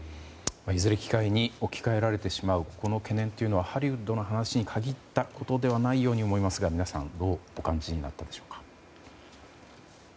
いずれ機械に置き換えられてしまうこの懸念はハリウッドの話に限ったことではないように思いますが皆さんどうお感じになったでしょうか。